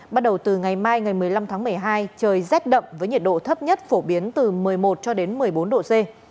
bắt đầu từ ngày mai ngày một mươi năm tháng một mươi hai trời rét đậm với nhiệt độ thấp nhất phổ biến từ một mươi một cho đến một mươi bốn độ c